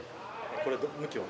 これ向きは？